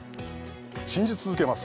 信じ続けます